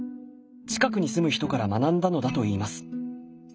近くに住む人から学んだのだといいます。